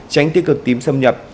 tránh tiêu cực tím xâm nhập